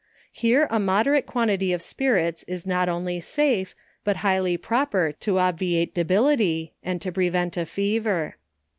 Here a moderate quantity of spirits is not only safe, but highly proper to obviate debility, and to prevent a fever.